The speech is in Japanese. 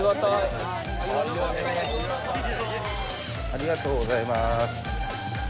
ありがとうございます。